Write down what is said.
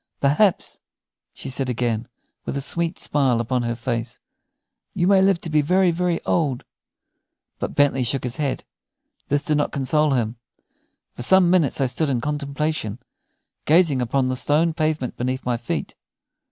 "Perhaps," she said again, with a sweet smile upon her face, "you may live to be very, very old." But Bentley shook his head. This did not console him. For some minutes I stood in contemplation, gazing upon the stone pavement beneath my feet.